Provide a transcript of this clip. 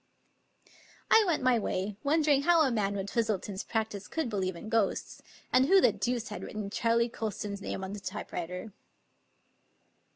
I went my way, wondering how a man with Twistleton's practice could believe in ghosts, and who the deuce had written Charley Colston's name on the typewriter.